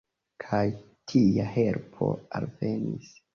Kaj tia helpo alvenis.